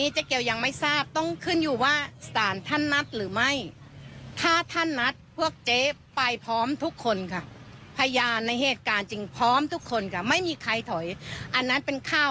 เจ๊เกี๊วขออนุญาตเลยไม่เคยกลัวแล้วไม่มีใครถอนตัวค่ะ